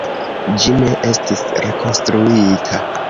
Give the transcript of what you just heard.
Ĝi ne estis rekonstruita.